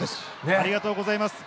ありがとうございます。